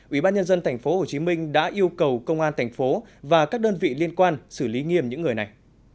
ủy ban nhân dân tp hcm đã yêu cầu công an thành phố và các đơn vị liên quan xử lý nghiêm những người này